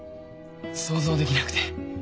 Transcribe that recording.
想像できなくて。